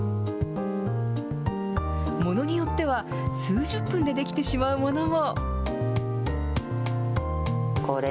ものによっては、数十分で出来てしまうものも。